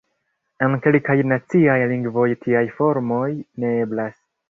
En kelkaj naciaj lingvoj tiaj formoj ne eblas.